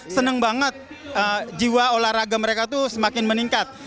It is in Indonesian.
senang banget jiwa olahraga mereka tuh semakin meningkat